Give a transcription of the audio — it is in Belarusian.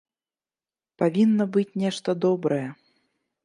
Павінна быць нешта добрае.